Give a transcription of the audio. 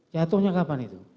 jatuhnya kapan itu